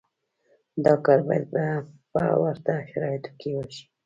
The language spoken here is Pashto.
دا کار باید په ورته شرایطو کې وشي.